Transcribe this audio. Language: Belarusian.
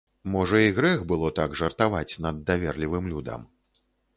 Можа, і грэх было так жартаваць над даверлівым людам.